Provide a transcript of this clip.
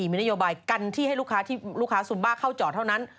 มีนโยบายกันที่ให้ลูกค้าซุมบ้าเข้าจอดเท่านั้น